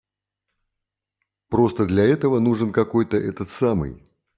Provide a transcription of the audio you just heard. Просто для этого нужен какой-то этот самый.